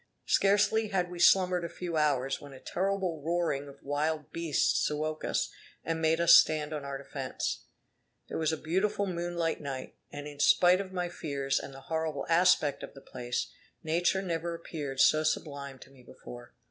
Scarcely had we slumbered a few hours when a terrible roaring of wild beasts awoke us, and made us stand on our defence. It was a beautiful moonlight night, and in spite of my fears and the horrible aspect of the place, nature never appeared so sublime to me before.